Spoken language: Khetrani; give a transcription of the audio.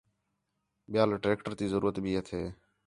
ٻِیال ٹریکٹر تی ضرورت بھی ہَتھے